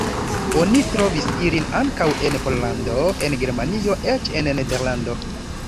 Oni trovis ilin ankaŭ en Pollando, en Germanio, eĉ en Nederlando.